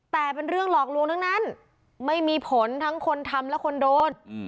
แต่เป็นเรื่องหลอกลวงทั้งนั้นไม่มีผลทั้งคนทำและคนโดน